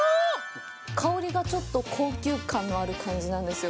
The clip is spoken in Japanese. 香りが、ちょっと高級感のある感じなんですよ。